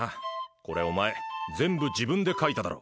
これお前、全部自分で書いただろ？